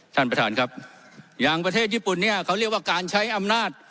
ท่านประธานครับอย่างประเทศญี่ปุ่นเนี่ยเขาเรียกว่าการใช้อำนาจ